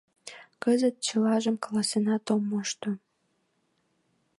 Кызыт чылажым каласенат ом мошто.